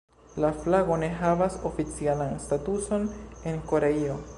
La flago ne havas oficialan statuson en Koreio.